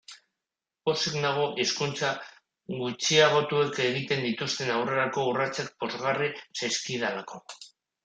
Pozik nago hizkuntza gutxiagotuek egiten dituzten aurrerako urratsak pozgarri zaizkidalako.